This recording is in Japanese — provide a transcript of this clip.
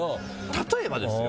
例えばですよ。